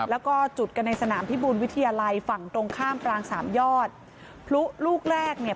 แล้วก็จุดกันในสนามพิบูลวิทยาลัยฝั่งตรงข้ามปรางสามยอดพลุลูกแรกเนี่ย